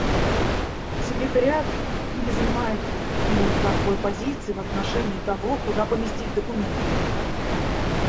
Секретариат не занимает никакой позиции в отношении того, куда поместить документы.